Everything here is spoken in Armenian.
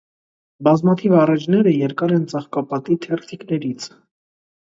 Բազմաթիվ առէջները երկար են ծաղկապատի թերթիկներից։